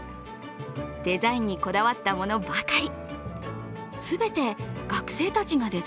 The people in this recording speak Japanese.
デザインにこだわったものばかり。